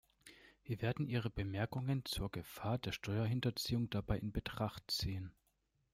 Wir werden Ihre Bemerkungen zur Gefahr der Steuerhinterziehung dabei in Betracht ziehen.